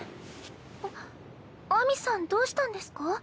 あっ秋水さんどうしたんですか？